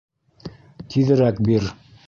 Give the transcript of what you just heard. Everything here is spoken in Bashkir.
Тиҙерәк бир.